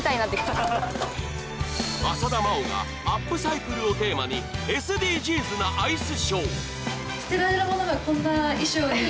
浅田真央がアップサイクルをテーマにＳＤＧｓなアイスショー。